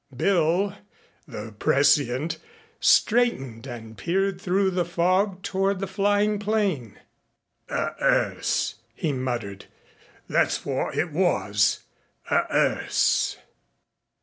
Bill, the prescient, straightened and peered through the fog toward the flying plane. "A 'earse," he muttered. "That's wot it was a 'earse."